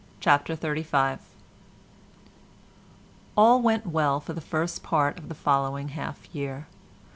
CHAPTER XXXV All went well for the first part of the following half year.